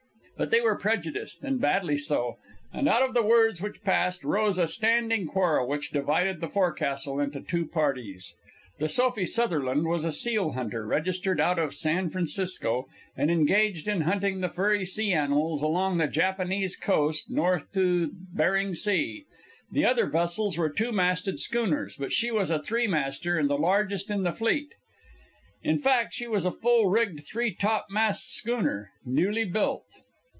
But they were prejudiced, and badly so, and out of the words which passed rose a standing quarrel which divided the forecastle into two parties. The Sophie Sutherland was a seal hunter, registered out of San Francisco, and engaged in hunting the furry sea animals along the Japanese coast north to Bering Sea. The other vessels were two masted schooners, but she was a three master and the largest in the fleet. In fact, she was a full rigged, three topmast schooner, newly built.